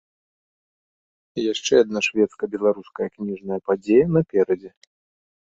Яшчэ адна шведска-беларуская кніжная падзея наперадзе.